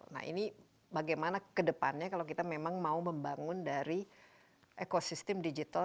nah ini bagaimana kedepannya kalau kita memang mau membangun dari ekosistem digital